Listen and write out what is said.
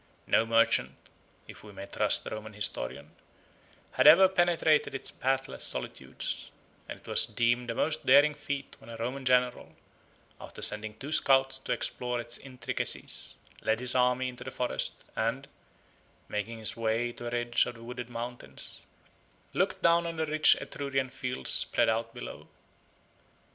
No merchant, if we may trust the Roman historian, had ever penetrated its pathless solitudes; and it was deemed a most daring feat when a Roman general, after sending two scouts to explore its intricacies, led his army into the forest and, making his way to a ridge of the wooded mountains, looked down on the rich Etrurian fields spread out below.